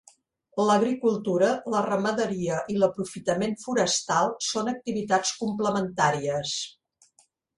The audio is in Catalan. L'agricultura, la ramaderia i l'aprofitament forestal són activitats complementàries.